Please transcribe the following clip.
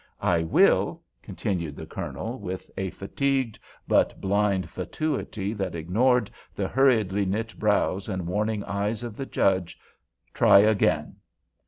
I will," continued the Colonel, with a fatigued but blind fatuity that ignored the hurriedly knit brows and warning eyes of the Judge, "try again.